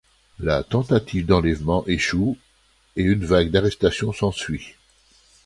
La tentative d'enlèvement échoue, et une vague d'arrestations s'ensuit.